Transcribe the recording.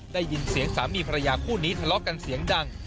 ได้ยินเสียงสามีภรรยาคู่นี้ทะเลาะกันเสียงดัง